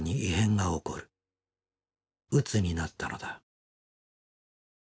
うつになったのだ。